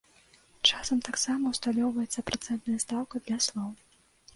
Часам таксама ўсталёўваецца працэнтная стаўка для слоў.